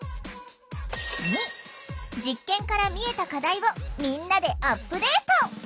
２実験から見えた課題をみんなでアップデート！